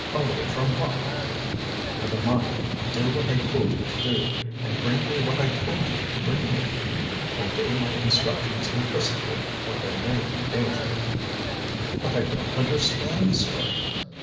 "Away from what?" "Never mind. Do what I told you to do, and bring me what I told you to bring me. Obey my instructions implicitly, or there may be danger." "But I don't understand, sir."